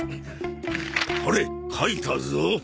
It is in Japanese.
ほれ書いたぞ。